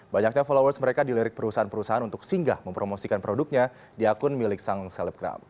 banyaknya followers mereka dilirik perusahaan perusahaan untuk singgah mempromosikan produknya di akun milik sang selebgram